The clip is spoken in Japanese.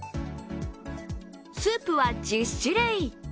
スープは１０種類。